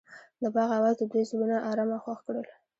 د باغ اواز د دوی زړونه ارامه او خوښ کړل.